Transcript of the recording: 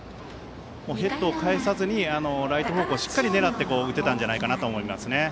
ヘッドを返さずにライト方向にしっかり狙って打てたんじゃないかなと思いますね。